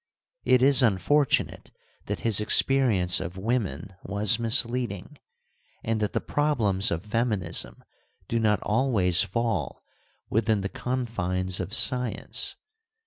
It is unfortunate that his experience of women was misleading, and that the problems of feminism do not always fall within the confines of science.